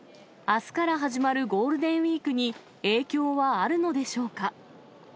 あすから始まるゴールデンウィークに、影響はあるのでしょうか。